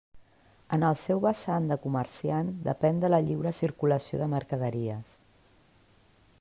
En el seu vessant de comerciant depén de la lliure circulació de mercaderies.